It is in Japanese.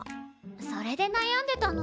それでなやんでたの。